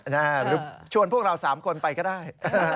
หรือชวนพวกเรา๓คนไปก็ได้